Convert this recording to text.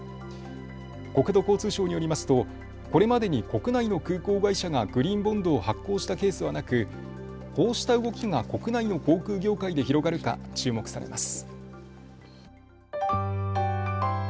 国土交通省によりますとこれまでに国内の空港会社がグリーンボンドを発行したケースはなく、こうした動きが国内の航空業界で広がるか注目されます。